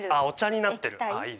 お茶になってる。